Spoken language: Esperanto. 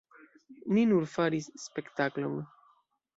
Ni nur faris spektaklon".